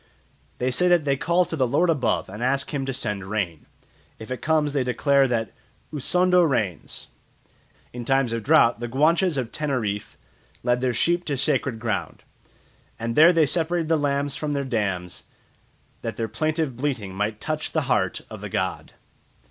They say that they call to "the lord above" and ask him to send rain. If it comes they declare that "Usondo rains." In times of drought the Guanches of Teneriffe led their sheep to sacred ground, and there they separated the lambs from their dams, that their plaintive bleating might touch the heart of the god.